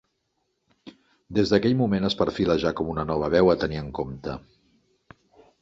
Des d'aquell moment es perfila ja com una nova veu a tenir en compte.